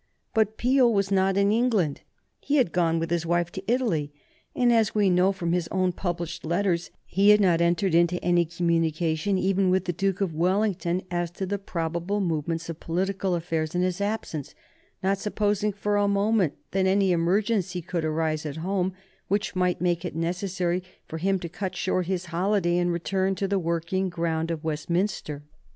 But Peel was not in England; he had gone with his wife to Italy, and, as we know from his own published letters, he had not entered into any communication, even with the Duke of Wellington, as to the probable movements of political affairs in his absence, not supposing for a moment that any emergency could arise at home which might make it necessary for him to cut short his holiday and return to the working ground of Westminster.